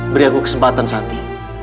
beri aku kesempatan sati